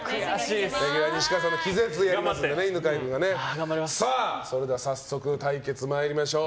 レギュラー西川さんの気絶を犬飼君がね。それでは早速対決参りましょう。